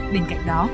bên cạnh đó